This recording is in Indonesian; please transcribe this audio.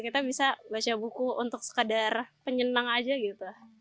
kita bisa baca buku untuk sekadar penyenang aja gitu